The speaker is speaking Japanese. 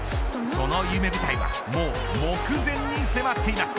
その夢舞台はもう目前に迫っています。